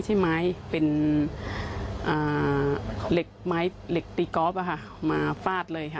ตีไปกี่ทีน่ะ